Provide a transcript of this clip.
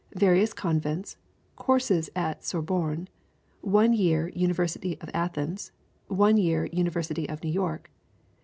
Various convents. Courses at Sorbonne. One year University of Athens. One year University of New York.